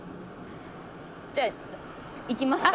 じゃあ行きますか。